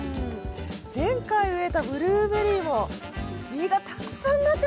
前回植えたブルーベリーも実がたくさんなってますよ。